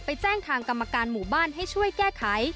แจ้งทางกรรมการหมู่บ้านให้ช่วยแก้ไข